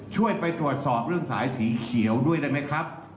ช่วยไปตรวจสอบเรื่องสายสีเขียวด้วยได้ไหมครับ